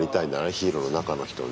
ヒーローの中の人に。